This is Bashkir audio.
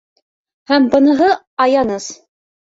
Һәм быныһы аяныс!